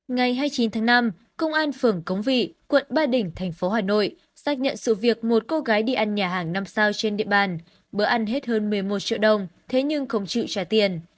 ngày hai mươi chín tháng năm công an phường cống vị quận ba đình thành phố hà nội xác nhận sự việc một cô gái đi ăn nhà hàng năm sao trên địa bàn bữa ăn hết hơn một mươi một triệu đồng thế nhưng không chịu trả tiền